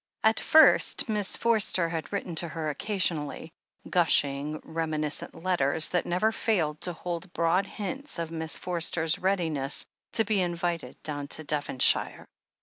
At first Miss Forster had written to her occasionally — ^gushing, reminiscent letters, that never failed to hold broad hints of Miss Forster's readiness to be invited down to Devonshire.